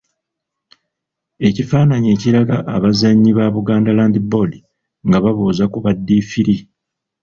Ekifaananyi ekiraga abazannyi ba Buganda Land Board nga babuuza ku baddiifiri.